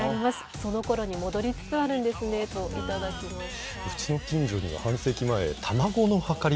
そのころに戻りつつあるんですねと、頂きました。